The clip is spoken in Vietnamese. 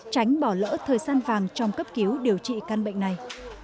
tránh bỏ lỡ thời gian vàng trong cấp cứu điều trị căn bệnh này